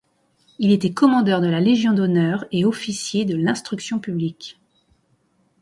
Il était Commandeur de la Légion d'honneur et Officier de l'Instruction Publique.